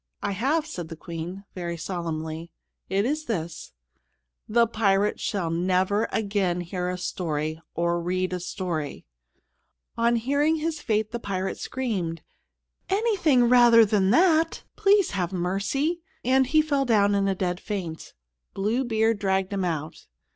"I have," said the Queen, very solemnly. "It is this: the pirate shall never again hear a story or read a story!" On hearing his fate the pirate screamed, "Anything rather than that! Please have mercy!" And he fell down in a dead faint. Blue Beard dragged him out.